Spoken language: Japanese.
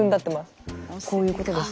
こういうことです。